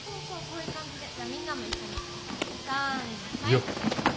よっ！